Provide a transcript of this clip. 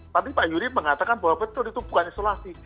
tapi pak yuri mengatakan bahwa betul itu bukan isolasi